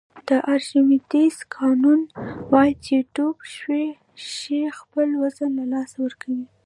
د ارشمیدس قانون وایي چې ډوب شوی شی خپل وزن له لاسه ورکوي.